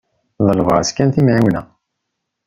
Ḍleb-as kan timεiwna.